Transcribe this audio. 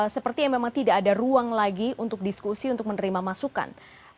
sepertinya memang tidak ada ruang lagi untuk diskusi untuk menerima masukan